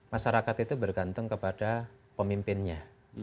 masyarakat itu bergantung kepada pemimpinnya